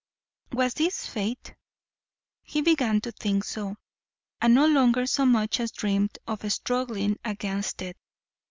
Was this fate? He began to think so, and no longer so much as dreamed of struggling against it.